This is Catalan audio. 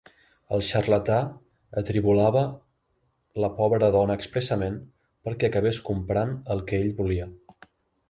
El xarlatà atribolava la pobra dona expressament perquè acabés comprant el que ell volia.